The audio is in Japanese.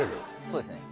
そうですね